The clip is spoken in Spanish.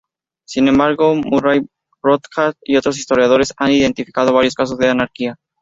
Sin embargo, Murray Rothbard y otros historiadores han identificado varios casos de anarquía.